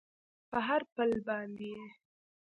په هر پل باندې یې